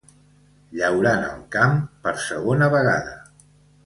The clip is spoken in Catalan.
Llaurant el camp per segona vegada.